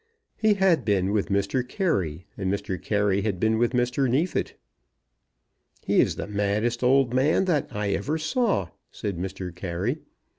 He had been with Mr. Carey, and Mr. Carey had been with Mr. Neefit. "He is the maddest old man that I ever saw," said Mr. Carey.